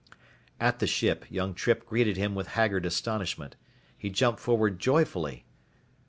At the ship young Trippe greeted him with haggard astonishment. He jumped forward joyfully.